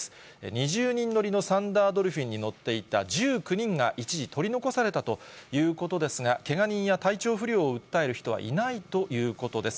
２０人乗りのサンダードルフィンに乗っていた１９人が一時取り残されたということですが、けが人や体調不良を訴える人はいないということです。